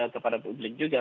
kepada publik juga